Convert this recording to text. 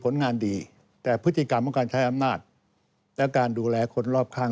ผลงานดีแต่พฤติกรรมของการใช้อำนาจและการดูแลคนรอบข้าง